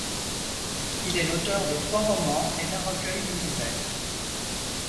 Il est l'auteur de trois romans et d'un recueil de nouvelles.